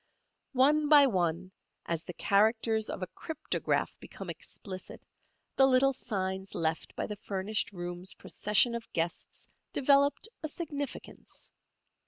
One by one, as the characters of a cryptograph become explicit, the little signs left by the furnished room's procession of guests developed a significance.